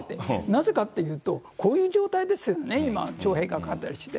なぜかっていうと、こういう状態ですよね、今、徴兵がかかったりして。